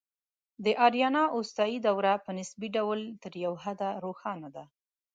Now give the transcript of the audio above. د آریانا اوستایي دوره په نسبي ډول تر یو حده روښانه ده